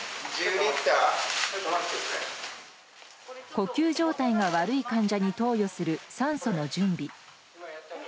呼吸状態が悪い患者に投与する酸素の準備。